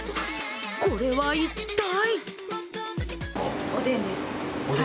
これは、一体？